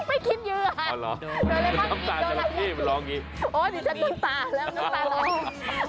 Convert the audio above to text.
โอ๊ยดีฉันต้องตาต้องตาเติบ